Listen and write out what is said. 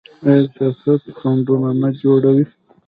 آیا سیاست خنډونه نه جوړوي؟